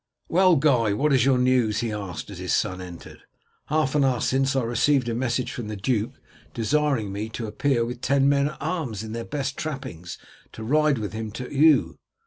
"Well, Guy, what is your news?" he asked as his son entered. "Half an hour since I received a message from the duke desiring me to appear with ten men at arms in their best trappings to ride with him to Eu.